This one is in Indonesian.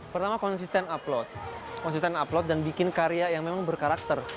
pertama konsisten upload konsisten upload dan bikin karya yang memang berkarakter